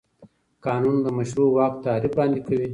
قانون د مشروع واک تعریف وړاندې کوي.